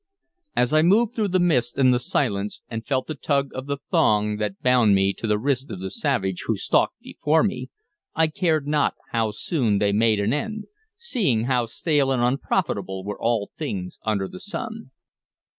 As I moved through the mist and the silence, and felt the tug of the thong that bound me to the wrist of the savage who stalked before me, I cared not how soon they made an end, seeing how stale and unprofitable were all things under the sun.